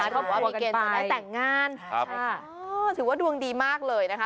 เพราะว่ามีเกณฑ์จะได้แต่งงานครับใช่อ๋อถือว่าดวงดีมากเลยนะคะ